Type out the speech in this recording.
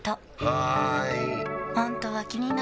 はーい！